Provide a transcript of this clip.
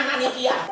aduh dah yuk yuk yuk